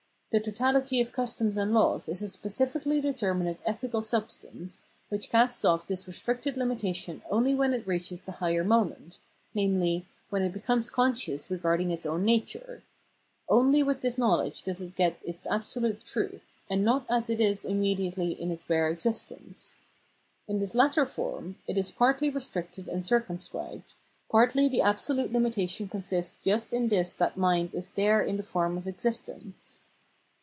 The totality of customs and laws is a specifically determinate ethical substance, which casts off this restricted Limitation only when it reaches the higher moment, namely, when it becomes conscious regarding its own nature ; only with this knowledge does it get its absolute truth, and not as it is immediately in its bare existence. In this latter form it is partly restricted and circumscribed, partly the absolute limita tion consists just in this that mind is there in the form of existence.